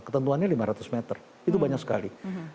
ketentuannya lima ratus meter itu banyak sekali